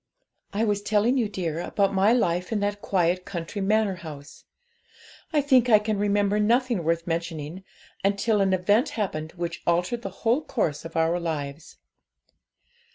'I was telling you, dear, about my life in that quiet country manor house. I think I can remember nothing worth mentioning, until an event happened which altered the whole course of our lives.